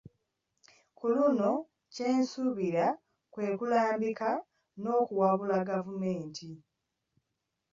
Ku luno kye nsuubira kwe kulambika n'okuwabula Gavumenti